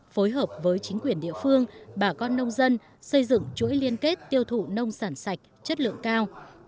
phối hợp với chính quyền địa phương bà con nông dân xây dựng chuỗi liên kết tiêu thụ nông sản sạch chất lượng cao